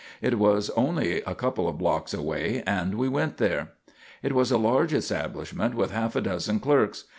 It was only a couple of blocks away, and we went there. It was a large establishment with half a dozen clerks.